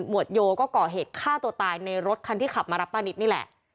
วดโยก็ก่อเหตุฆ่าตัวตายในรถคันที่ขับมารับป้านิตนี่แหละ